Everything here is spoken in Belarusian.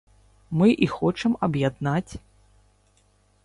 Мы і хочам аб'яднаць.